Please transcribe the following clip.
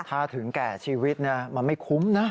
ถ้าถึงแก่ชีวิตมันไม่คุ้มนะ